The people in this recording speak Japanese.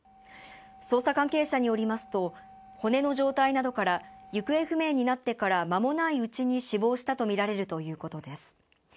捜査関係者によりますと骨の状態などから行方不明になってから間もないうちに死亡したとみられるということです。